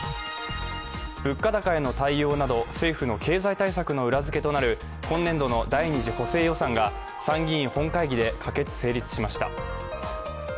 物価高への対応など政府の経済対策の裏づけとなる今年度の第２次補正予算が参議院本会議で可決・成立しました。